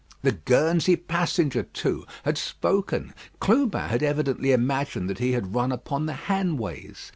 The Guernsey passenger, too, had spoken. Clubin had evidently imagined that he had run upon the Hanways.